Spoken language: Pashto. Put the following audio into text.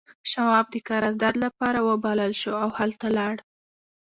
شواب د قرارداد لپاره وبلل شو او هلته لاړ